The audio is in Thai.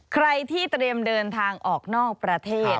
ใครที่เตรียมเดินทางออกนอกประเทศ